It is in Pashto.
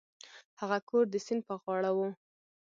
هغه کور د سیند په غاړه و.